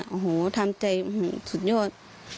โอ้โหทำใจสุดยอด